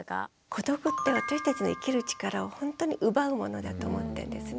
孤独って私たちの生きる力をほんとに奪うものだと思ったんですね。